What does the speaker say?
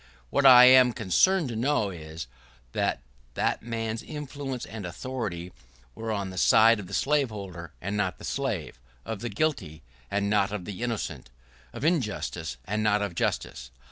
What I am concerned to know is, that that man's influence and authority were on the side of the slaveholder, and not of the slave — of the guilty, and not of the innocent — of injustice, and not of justice.